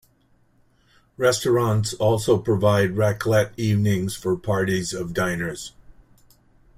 Restaurants also provide raclette evenings for parties of diners.